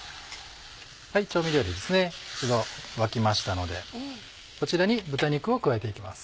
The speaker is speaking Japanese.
調味料類一度沸きましたのでこちらに豚肉を加えていきます。